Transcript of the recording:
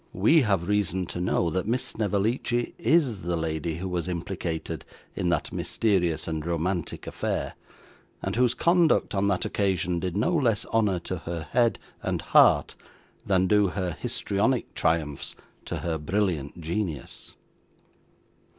We have reason to know that Miss Snevellicci IS the lady who was implicated in that mysterious and romantic affair, and whose conduct on that occasion did no less honour to her head and heart, than do her histrionic triumphs to her brilliant genius.